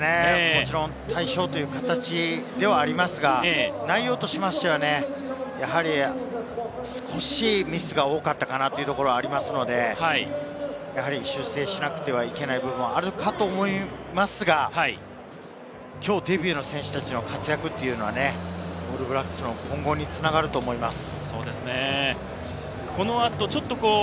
大勝という形ではありますが、内容としてはやはり少しミスが多かったかなというところがありますので、修正しなくてはいけない部分はあるかと思いますが、きょうデビューの選手たちの活躍はオールブラックスの今後に繋がると思います。